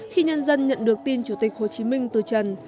khi nhân dân nhận được tin chủ tịch hồ chí minh từ trần